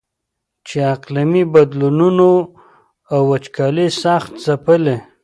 چې اقلیمي بدلونونو او وچکالۍ سخت ځپلی.